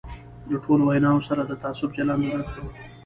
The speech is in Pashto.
له ټولو ویناوو سره د تعصب چلند ونه کړو.